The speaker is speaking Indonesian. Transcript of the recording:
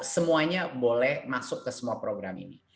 semuanya boleh masuk ke semua program ini